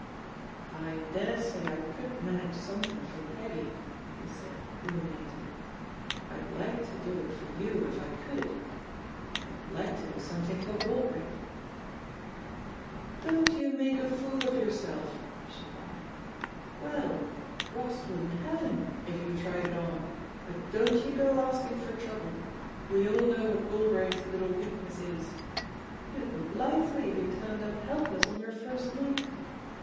"I daresay I could manage something for Peggy," he said, ruminating. "I'd like to do it for you, if I could. ••• I'd hke to do something for Galbraith." 122 THE POSITION OF PEGGY HARPER Don't you make a fool of yoursdf I'* she cried. Well, Ross wouldn't have him, if you tried it on, but don't you go asking for trouble. We all know what Galbraith's little weakness is. You'd look lively if he turned up helpless on your first night.